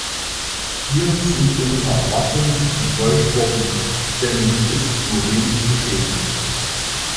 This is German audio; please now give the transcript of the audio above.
Hier sind unsere Erwartungen enttäuscht worden, denn es ist nur wenig geschehen.